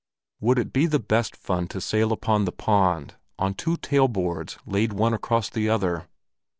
Would it be the best fun to sail upon the pond on two tail boards laid one across the other?